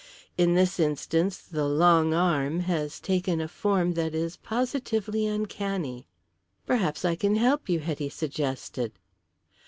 In this instance 'the long arm' has taken a form that is positively uncanny." "Perhaps I can help you," Hetty suggested.